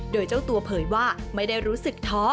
โดยเจ้าตัวเผยว่าไม่ได้รู้สึกท้อ